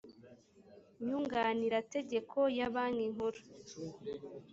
nyunganirategeko ya banki nkuru